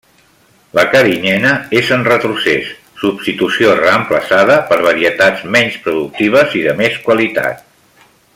La carinyena és en retrocés substitució reemplaçada per varietats menys productives i de més qualitat.